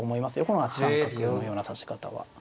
この８三角のような指し方は。